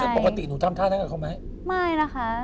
ปกติหนูทำท่านั้นกับเขาไหมไม่นะคะ